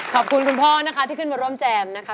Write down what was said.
คุณพ่อนะคะที่ขึ้นมาร่วมแจมนะคะ